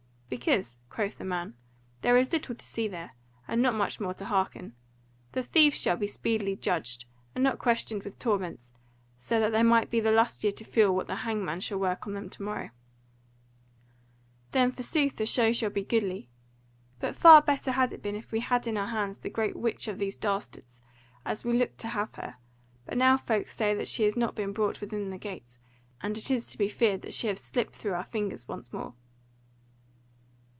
"Because," quoth the man, "there is little to see there, and not much more to hearken. The thieves shall be speedily judged, and not questioned with torments, so that they may be the lustier to feel what the hangman shall work on them to morrow; then forsooth the show shall be goodly. But far better had it been if we had had in our hands the great witch of these dastards, as we looked to have her; but now folk say that she has not been brought within gates, and it is to be feared that she hath slipped through our fingers once more."